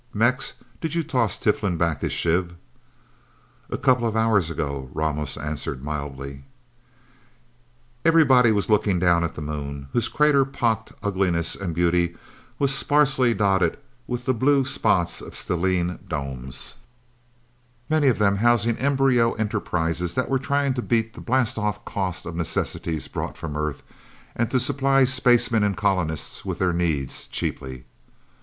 Mex, did you toss Tiflin back his shiv?" "A couple of hours ago," Ramos answered mildly. Everybody was looking down at the Moon, whose crater pocked ugliness and beauty was sparsely dotted with the blue spots of stellene domes, many of them housing embryo enterprises that were trying to beat the blastoff cost of necessities brought from Earth, and to supply spacemen and colonists with their needs, cheaply.